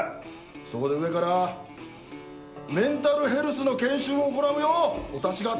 そこで上からメンタルヘルスの研修を行うようお達しがあった。